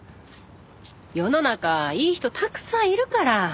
世の中いい人たくさんいるから。